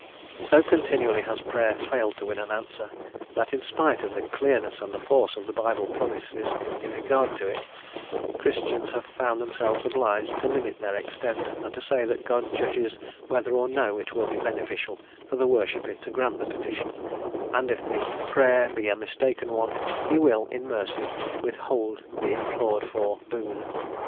So continually has Prayer failed to win an answer, that, in spite of the clearness and the force of the Bible promises in regard to it, Christians have found themselves obliged to limit their extent, and to say that God judges whether or no it will be beneficial for the worshipper to grant the petition, and if the Prayer be a mistaken one he will, in mercy, withhold the implored for boon.